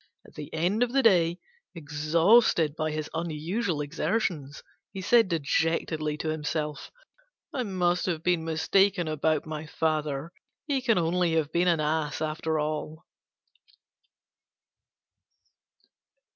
At the end of the day, exhausted by his unusual exertions, he said dejectedly to himself, "I must have been mistaken about my father; he can only have been an ass after all."